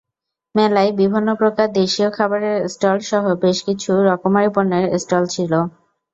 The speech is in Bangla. মেলায় বিভিন্ন প্রকার দেশীয় খাবারের স্টলসহ বেশ কিছু রকমারি পণ্যের স্টল ছিল।